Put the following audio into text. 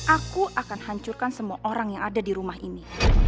aku akan hancurkan semua orang yang ada di rumah ini